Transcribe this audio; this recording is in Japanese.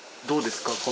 どうですか？